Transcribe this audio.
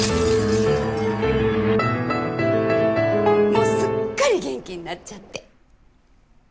もうすっかり元気になっちゃって。